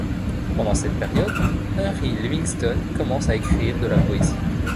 Pendant cette période, Henry Livingston commence à écrire de la poésie.